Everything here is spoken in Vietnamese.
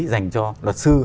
dành cho luật sư